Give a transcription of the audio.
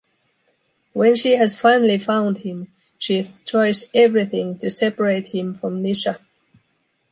When she has finally found him, she tries everything to separate him from Nisha.